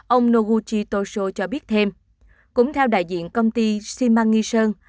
ông noguchi toshio cho biết thêm cũng theo đại diện công ty shimangi sơn